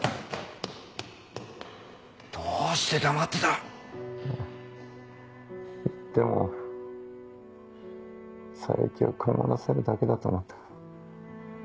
どうして黙ってた⁉言っても冴木を困らせるだけだと思った。